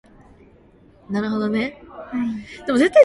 나는 가장 어두운 계곡을 걷는다.